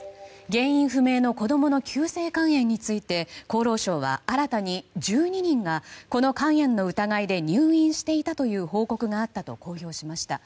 原因不明の子供の急性肝炎について厚労省は新たに１２人がこの肝炎の疑いで入院していたという報告があったと公表しました。